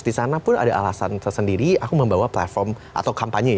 disana pun ada alasan tersendiri aku membawa platform atau kampanye gitu